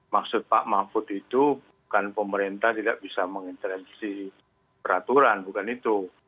maksud pak mahfud itu bukan pemerintah tidak bisa mengintervensi peraturan bukan itu